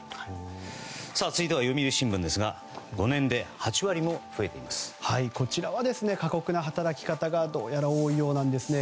続いては読売新聞ですが５年で８割もこちらは、過酷な働き方がどうやら多いようですね。